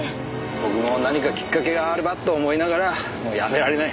僕も何かきっかけがあればと思いながらやめられない。